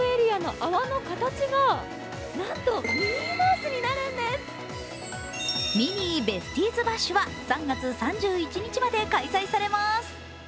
更にミニー・ベスティーズ・バッシュ！は３月３１日まで開催されます。